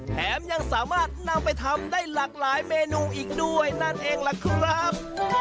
แถมยังสามารถนำไปทำได้หลากหลายเมนูอีกด้วยนั่นเองล่ะครับ